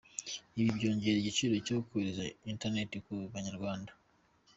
Ibi byongera igiciro cyo gukoresha interineti ku Banyarwanda.